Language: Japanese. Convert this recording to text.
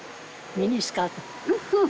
ミニスカート。